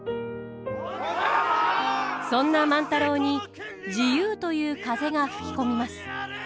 そんな万太郎に自由という風が吹き込みます。